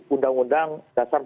undang undang dasar empat puluh